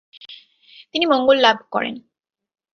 তিনি মঙ্গল লাভ করেন।